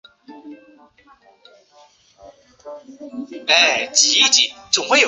它是福建中学附属学校的一条龙中学。